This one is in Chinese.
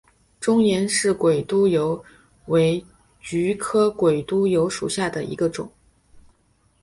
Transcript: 中原氏鬼督邮为菊科鬼督邮属下的一个种。